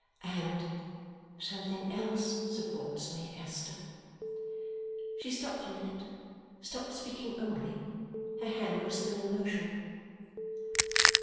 "And something else supports me, Esther." She stopped a minute. Stopped speaking only; her hand was still in motion.